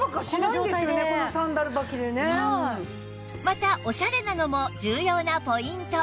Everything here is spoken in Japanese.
またオシャレなのも重要なポイント